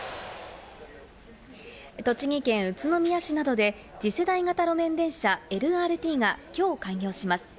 栃木県宇都宮市などで次世代型路面電車＝ＬＲＴがきょう開業します。